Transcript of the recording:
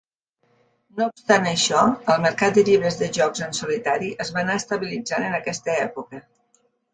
No obstant això, el mercat de llibres de jocs en solitari es va anar estabilitzant en aquesta època.